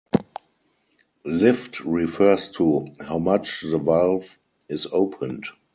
Lift refers to how much the valve is opened.